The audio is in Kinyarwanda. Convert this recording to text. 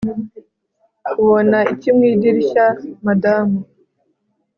Ubona iki mu idirishya madamu